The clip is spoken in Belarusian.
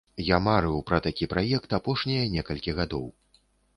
Я марыў пра такі праект апошнія некалькі гадоў.